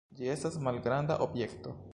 Ĝi estas malgranda objekto.